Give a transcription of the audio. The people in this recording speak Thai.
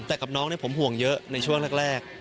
แต่กับน้องผมห่วงเยอะในช่วงแรก